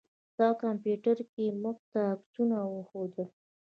ستا کمپيوټر کې يې موږ ته عکسونه وښودله.